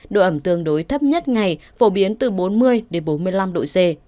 độ ẩm tương đối thấp nhất ngày phổ biến từ bốn mươi đến bốn mươi năm độ c